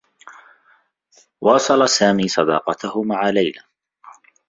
واصل سامي صداقته مع ليلى.